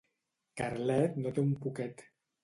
Carlet no té un poquet.